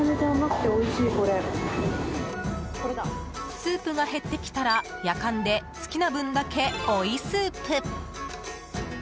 スープが減ってきたらやかんで好きな分だけ追いスープ。